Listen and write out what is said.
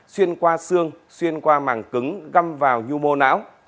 xuyên qua xương xuyên qua màng cứng găm vào nhu mô não